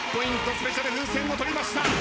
スペシャル風船をとりました。